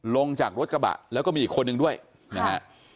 ลงจากรถกระบะแล้วก็มีอีกคนนึงด้วยนะฮะ